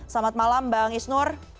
selamat malam bang isnur